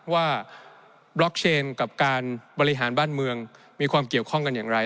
บล็อกเชนกับการบริหารบ้านเมืองมีความเกี่ยวข้องกันอย่างไร